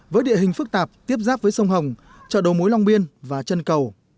với địa hình phức tạp tiếp giáp với sông hồng chợ đầu mối long biên và chân cầu